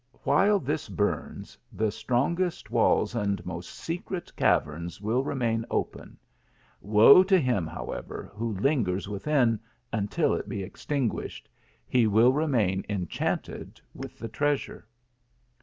While this burns, the strongest walls and most secret caverns will remain open ; woe to him, however, who lingers within until it be extinguished He will remain enchanted with the treasure."